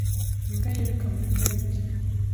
Imbwa yiruka muri parike .